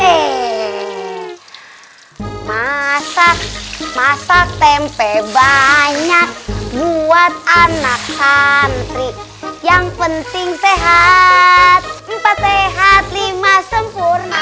eh masak masak tempe banyak buat anak santri yang penting sehat empat sehat lima sempurna